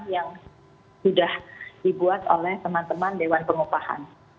yang sudah dibuat oleh teman teman dewan pengupahan